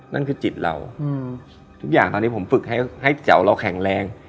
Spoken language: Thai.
นั่นคือจิตเราทุกอย่างตอนนี้ผมฝึกให้แจ๋วเราแข็งแรง